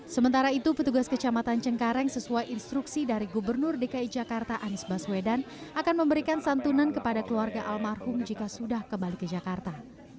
sementara itu petugas kecamatan cengkareng sesuai instruksi dari gubernur dki jakarta anies baswedan akan memberikan santunan kepada keluarga almarhum jika sudah kembali ke jakarta